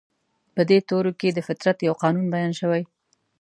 په دې تورو کې د فطرت يو قانون بيان شوی.